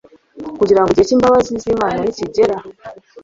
kugira ngo igihe cy'imbabazi z'imana nikigera